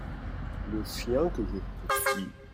Le chien que je poursuis.